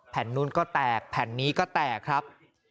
นู้นก็แตกแผ่นนี้ก็แตกครับ